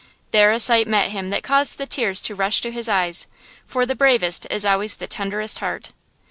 There a sight met him that caused the tears to rush to his eyes–for the bravest is always the tenderest heart.